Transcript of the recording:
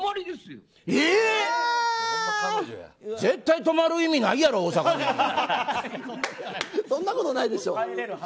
絶対泊まる意味ないやろそんなことないでしょう。